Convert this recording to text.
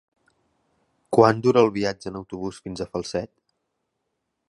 Quant dura el viatge en autobús fins a Falset?